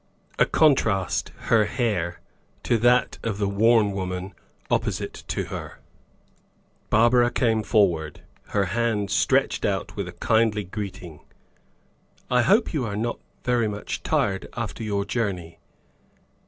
A contrast, her hair, to that of the worn woman opposite to her. Barbara came forward, her hand stretched out with a kindly greeting. "I hope you are not very much tired after your journey?"